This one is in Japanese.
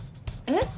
えっ？